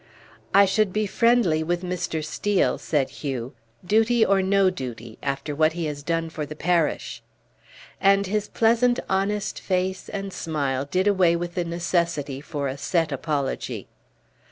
"I should be friendly with Mr. Steel," said Hugh, "duty or no duty, after what he has done for the parish." And his pleasant honest face and smile did away with the necessity for a set apology.